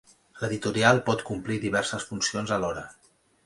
L'editorial pot complir diverses funcions alhora.